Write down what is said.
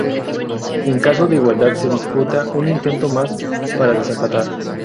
En caso de igualdad se disputa un intento más para desempatar.